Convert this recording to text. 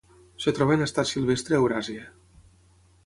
Es troba en estat silvestre a Euràsia: